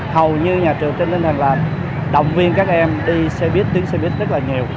hầu như nhà trường trên động viên các em đi xe buýt tuyến xe buýt rất là nhiều